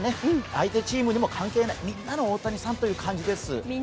相手チームにも関係ない、みんなの大谷さんって感じです。